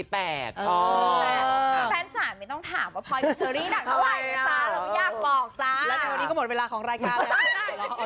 แฟนสารไม่ต้องถามว่าพอยกับเชอรี่หนักเท่าไหร่นะจ๊ะ